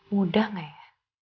mudah nggak ya